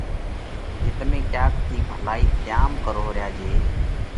پڻ جي تمي ڪياڪ ٿِي ڀلائِي تيام ڪروه ريا جي